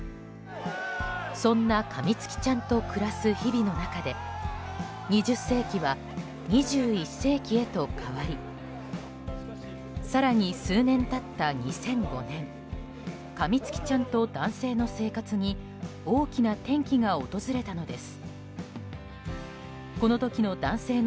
そんなカミツキちゃんと暮らす日々の中で２０世紀は２１世紀へと変わり更に数年経った２００５年カミツキちゃんと男性の生活に大きな転機が訪れたのです。